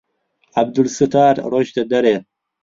عەبدولستار ڕۆیشتە دەرێ.